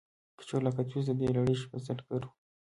کجولا کدفیسس د دې لړۍ بنسټګر و